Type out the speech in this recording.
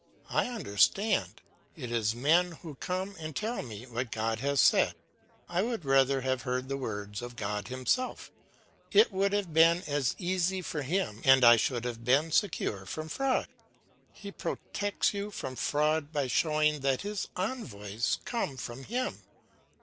I understand; it is men who come and tell me what God has said. I would rather have heard the words of God himself; it would have been as easy for him and I should have been secure from fraud. He protects you from fraud by showing that his envoys come from him.